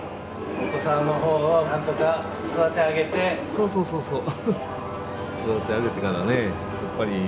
そうそうそうそう。